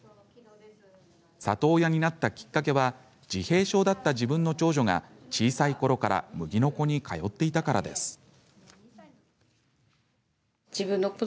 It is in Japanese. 里親になったきっかけは自閉症だった自分の長女が小さいころから麦の子に通っていたからです。